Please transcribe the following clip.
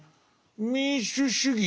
民主主義